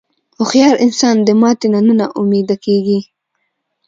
هوښیار انسان د ماتې نه نا امیده نه کېږي.